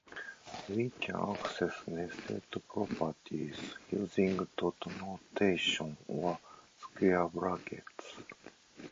We can access nested properties using dot notation or square brackets.